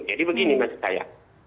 jadi begini maksud saya